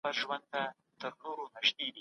انلاين درس د ځان ارزونې فرصت ورکوي.